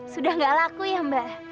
sudah gak laku ya mbak